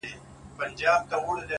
صبر د سختو وختونو توازن ساتي!.